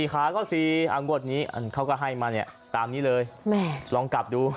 ขาก็๔งวดนี้เขาก็ให้มาเนี่ยตามนี้เลยแม่ลองกลับดู